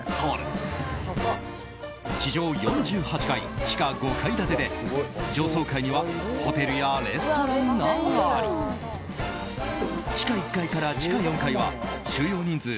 地上４８階、地下５階建てで上層階にはホテルやレストランがあり地下１階から地下４階は収容人数